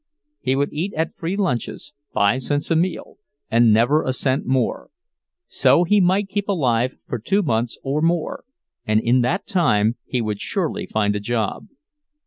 He would eat at free lunches, five cents a meal, and never a cent more—so he might keep alive for two months and more, and in that time he would surely find a job.